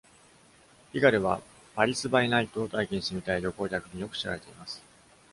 ピガレは「パリス・バイ・ナイト」を体験してみたい旅行客によく知られています。